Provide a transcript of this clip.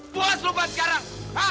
puas lu pan sekarang